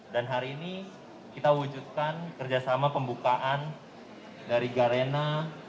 dan hari ini kita wujudkan kerjasama pembukaan dari garena